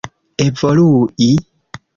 evolui